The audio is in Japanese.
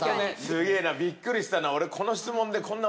すげえなびっくりしたな俺。